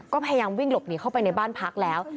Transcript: ก็พยายามวิ่งหลบหนีเข้าไปในบ้านพักแล้ว